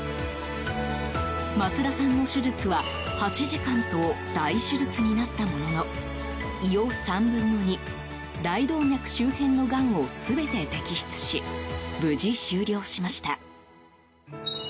松田さんの手術は８時間と大手術になったものの胃を３分の２大動脈周辺のがんを全て摘出し無事終了しました。